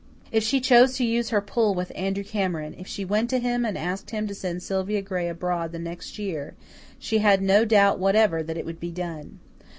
If she chose to use her "pull" with Andrew Cameron if she went to him and asked him to send Sylvia Gray abroad the next year she had no doubt whatever that it would be done.